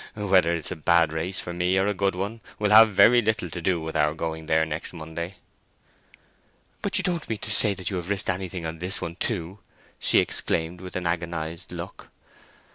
Whether it is a bad race for me or a good one, will have very little to do with our going there next Monday." "But you don't mean to say that you have risked anything on this one too!" she exclaimed, with an agonized look.